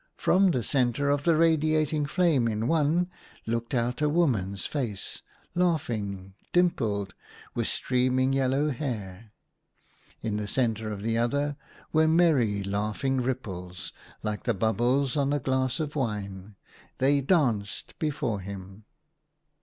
From the centre of the radiating flame in one THE HUNTER. 39 looked out a woman's face, laughing, dimpled, with streaming yellow hair. In the centre of the other were merry laughing ripples, like the bubbles on a glass of wine. They danced before him.